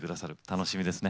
楽しみですね。